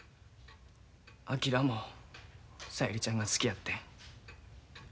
昭も小百合ちゃんが好きやってん。